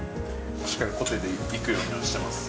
しっかり、こてでいくようにはしてます。